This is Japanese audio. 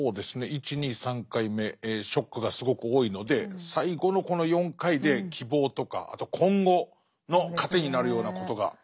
１・２・３回目ショックがすごく多いので最後のこの４回で希望とかあと今後の糧になるようなことがあるといいなと。